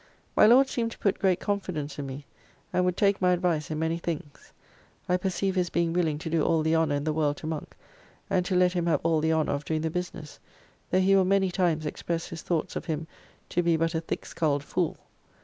My Lord seemed to put great confidence in me, and would take my advice in many things. I perceive his being willing to do all the honour in the world to Monk, and to let him have all the honour of doing the business, though he will many times express his thoughts of him to be but a thick sculled fool.